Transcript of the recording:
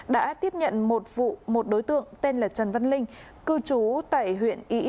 đã tiếp nhận một vụ một đối tượng tên là trần văn linh